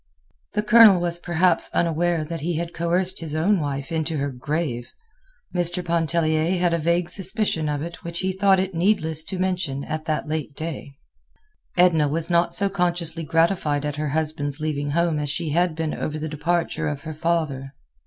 The Colonel was perhaps unaware that he had coerced his own wife into her grave. Mr. Pontellier had a vague suspicion of it which he thought it needless to mention at that late day. Edna was not so consciously gratified at her husband's leaving home as she had been over the departure of her father.